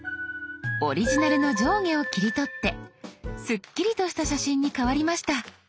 オリジナルの上下を切り取ってすっきりとした写真に変わりました。